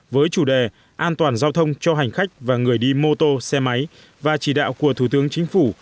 với chủ đề an toàn giao thông cho hành khách và người đi mô tô xe máy và chỉ đạo của thủ tướng chính phủ